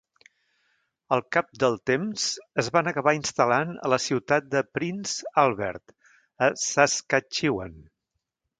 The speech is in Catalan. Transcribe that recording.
Al cap del temps es van acabar instal·lant a la ciutat de Prince Albert, a Saskatchewan.